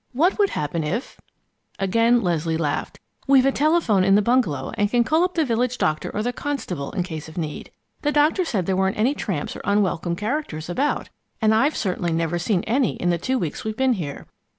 What would happen if " Again Leslie laughed. "We've a telephone in the bungalow and can call up the village doctor or the constable, in case of need. The doctor said there weren't any tramps or unwelcome characters about, and I've certainly never seen any in the two weeks we've been here.